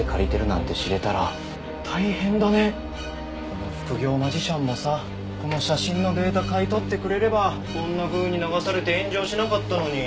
この副業マジシャンもさこの写真のデータ買い取ってくれればこんなふうに流されて炎上しなかったのに。